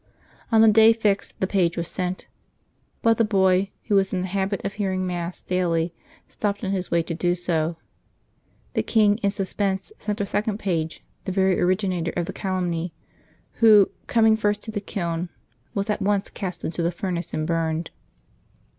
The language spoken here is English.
On the day fixed the page was sent; but the boy, who was in the habit of hearing Mass daily, stopped on his way to do so. The king, in suspense, sent a second page, the very originator of the calumny, who, coming first to the kiln, was at once cast into the furnace and burned.